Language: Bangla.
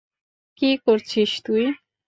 কী করছিস তুই?